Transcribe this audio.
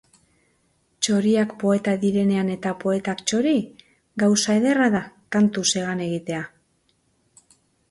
Txoriak poeta direnean eta poetak txori, gauza ederra da kantuz hegan egitea.